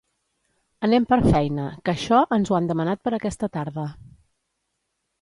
Anem per feina que això ens ho han demanat per aquesta tarda.